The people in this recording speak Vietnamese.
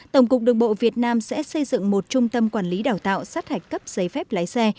tổng cục đường bộ việt nam sẽ xây dựng một trung tâm quản lý đào tạo sát hạch cấp giấy phép lái xe